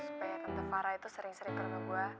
supaya tante farah itu sering sering ke rumah buah